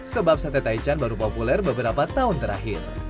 sebab sate taichan baru populer beberapa tahun terakhir